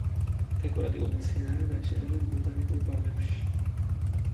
დეკორატიულ მცენარედ აშენებენ ბოტანიკურ ბაღებში.